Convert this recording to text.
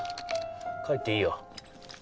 帰っていいよ。